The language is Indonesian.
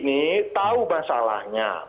ini tahu masalahnya